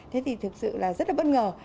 thế thì thực sự là rất là bất ngờ